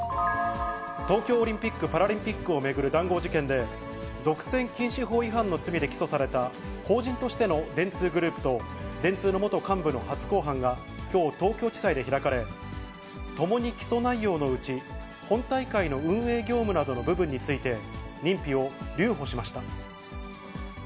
東京オリンピック・パラリンピックを巡る談合事件で、独占禁止法違反の罪で起訴された、法人としての電通グループと、電通の元幹部の初公判がきょう、東京地裁で開かれ、ともに起訴内容のうち、本大会の運営業務などの部分について、認否を留保しました。